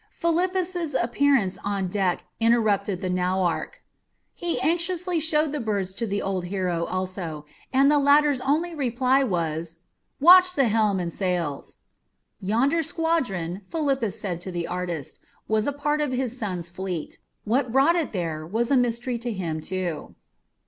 Philippus's appearance on deck interrupted the nauarch. He anxiously showed the birds to the old hero also, and the latter's only reply was, "Watch the helm and sails!" Yonder squadron, Philippus said to the artist, was a part of his son's fleet; what brought it there was a mystery to him too.